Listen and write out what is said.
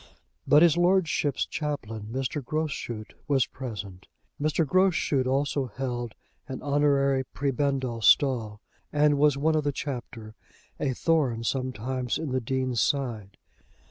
But his lordship's chaplain, Mr. Groschut, was present. Mr. Groschut also held an honorary prebendal stall, and was one of the chapter, a thorn sometimes in the Dean's side.